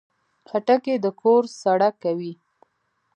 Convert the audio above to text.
خټکی د کور سړه کوي.